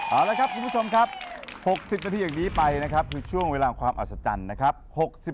เอาละครับคุณผู้ชมครับ๖๐นาทีอย่างนี้ไปนะครับคือช่วงเวลาของความอัศจรรย์นะครับ